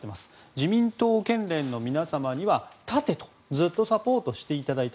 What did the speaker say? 自民党の県連の皆さんには立てとずっとサポートしていただいた